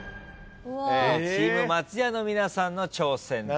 チーム松也の皆さんの挑戦です。